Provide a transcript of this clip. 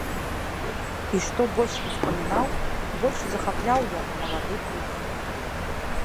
І што больш успамінаў, больш захапляў яго малады пых.